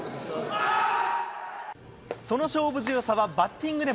その勝負強さはバッティングでも。